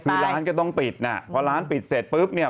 คือร้านก็ต้องปิดน่ะพอร้านปิดเสร็จปุ๊บเนี่ย